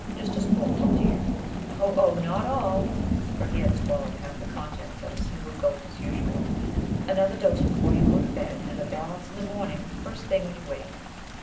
Just a spoonful, dear. Oh, oh! not all !" for he had swallowed half the contents at a single gulp as usual; "another dose before you go to bed, and the balance in the morning, first thing when you wake."